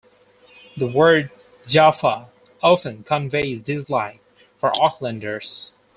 The word Jafa often conveys dislike for Aucklanders.